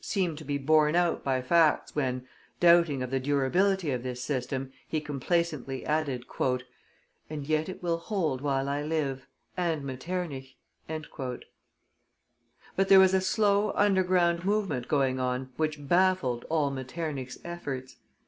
seemed to be borne out by facts when, doubting of the durability of this system, he complacently added: "And yet it will hold while I live, and Metternich." But there was a slow underground movement going on which baffled all Metternich's efforts.